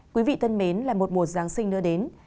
quý vị thân mến là một mùa giáng sinh đưa đến